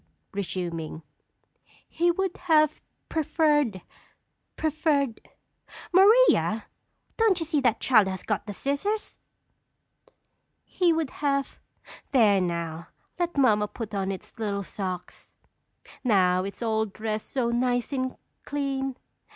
_ (resuming). "He would have preferred preferred " Maria, don't you see that child has got the scissors? "He would have " There now, let mamma put on its little socks. Now it's all dressed so nice and clean.